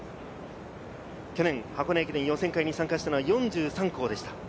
去年、箱根駅伝予選会に参加したのは４３校でした。